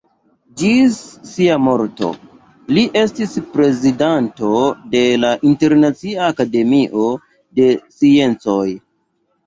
Ĝis sia morto li estis prezidanto de la Internacia Akademio de Sciencoj.